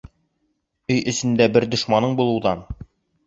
Өй эсендә бер дошманың булыуҙан